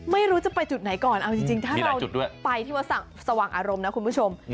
ไม่รู้จะไปจุดไหนก่อนเอาจริงถ้าเราไปที่วัดสว่างอารมณ์นะคุณผู้ชม